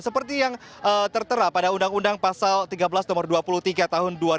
seperti yang tertera pada undang undang pasal tiga belas nomor dua puluh tiga tahun dua ribu dua